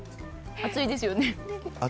熱いですよね。